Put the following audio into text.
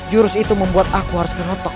jurus itu membuat aku harus menotok